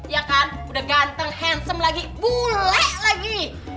ya kan udah ganteng handsome lagi bule lagi